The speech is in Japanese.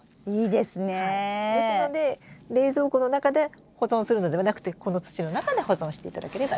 ですので冷蔵庫の中で保存するのではなくてこの土の中で保存していただければいいです。